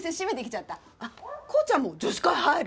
あっ紘ちゃんも女子会入る？